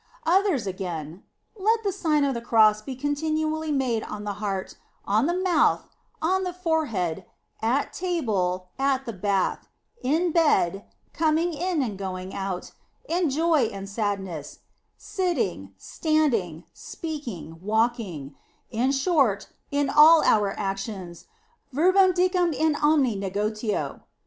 "^ Others again :" Let the Sign of the Cross be con tinually made on the heart, on the mouth, on the forehead, at table, at the bath, in bed, coming in and going out, in joy and sadness, sitting, standing, speaking, walking ; in short, in all our actions, verbo dicam in omni negotio.